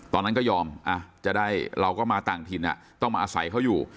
ตอนนั้นก็ยอมจะได้เราก็มาต่างถิ่นต้องมาอาศัยเขาอยู่